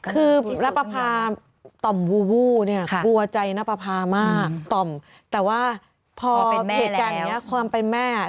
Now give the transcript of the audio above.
คือนับประพาต่อมวูเนี่ยกลัวใจนับประพามากต่อมแต่ว่าพอเป็นเหตุการณ์อย่างนี้ความเป็นแม่